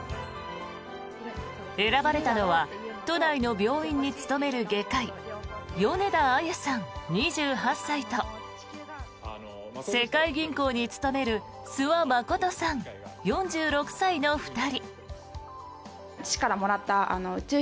選ばれたのは都内の病院に勤める外科医米田あゆさん、２８歳と世界銀行に勤める諏訪理さん、４６歳の２人。